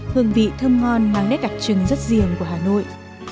hương vị thơm ngon mang nét đặc trưng rất riêng của hà nội